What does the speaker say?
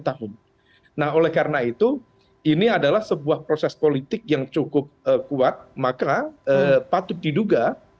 tahun nah oleh karena itu ini adalah sebuah proses politik yang cukup kuat maka patut diduga